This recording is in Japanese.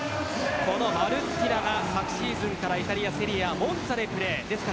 このマルッティラが昨シーズンからイタリア、セリエＡモンツァでプレー。